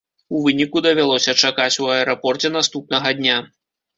У выніку давялося чакаць у аэрапорце наступнага дня.